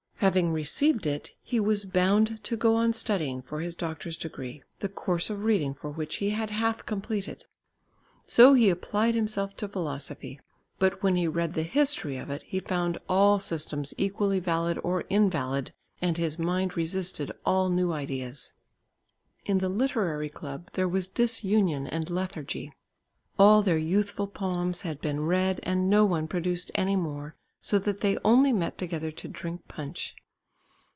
Having received it, he was bound to go on studying for his doctor's degree, the course of reading for which he had half completed. So he applied himself to philosophy, but when he read the history of it, he found all systems equally valid or invalid, and his mind resisted all new ideas. In the literary club there was disunion and lethargy. All their youthful poems had been read and no one produced any more, so that they only met together to drink punch.